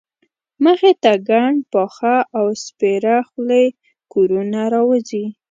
مخې ته ګڼ پاخه او سپېره خولي کورونه راوځي.